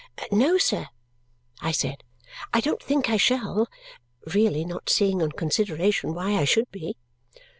"No, sir," I said, "I don't think I shall," really not seeing on consideration why I should be.